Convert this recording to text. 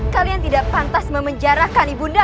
kalian tidak pantas memenjarakan ibunda